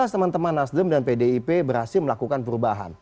dua ribu empat belas teman teman nasdem dan pdip berhasil melakukan perubahan